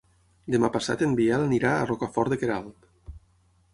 Demà passat en Biel anirà a Rocafort de Queralt.